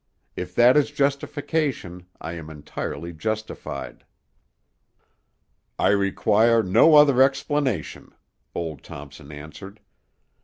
If that is justification, I am entirely justified." "I require no other explanation," old Thompson answered.